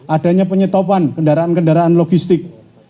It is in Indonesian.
adanya penyetopan kendaraan kendaraan logistik